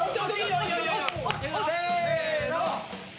せの。